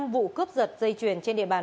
năm vụ cướp giật dây chuyển trên địa bàn